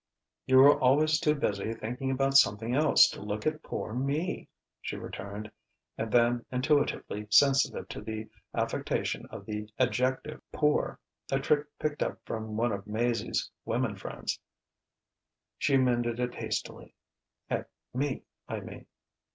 "You were always too busy thinking about something else to look at poor me," she returned; and then, intuitively sensitive to the affectation of the adjective "poor" (a trick picked up from one of Maizie's women friends) she amended it hastily: "at me, I mean."